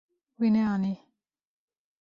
Wî neanî.